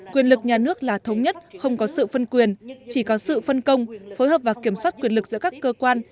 quyền lực nhà nước là thống nhất không có sự phân quyền chỉ có sự phân công phối hợp và kiểm soát quyền lực giữa các cơ quan